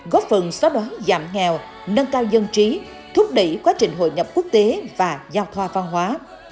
góp phần xóa đoán giảm nghèo nâng cao dân trí thúc đẩy quá trình hội nhập quốc tế và giao thoa văn hóa